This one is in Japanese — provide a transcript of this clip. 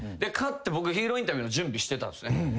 僕ヒーローインタビューの準備してたんですね。